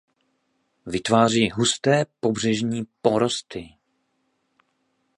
Vytváří husté pobřežní porosty.